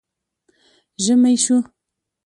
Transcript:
ژمی شو